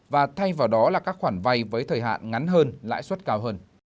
và thay vào đó là các khoản vay với thời hạn ngắn hơn lãi suất cao hơn